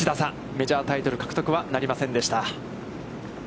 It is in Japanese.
メジャータイトル獲得はなりませんでした。